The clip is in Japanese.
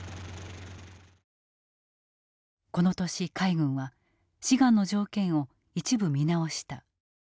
この年海軍は志願の条件を一部見直した。